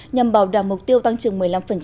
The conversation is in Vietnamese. nhằm bảo đảm mục tiêu tăng trưởng một mươi năm